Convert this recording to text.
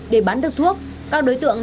để bán được thuốc các đối tượng